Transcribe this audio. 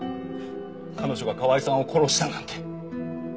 彼女が河合さんを殺したなんて。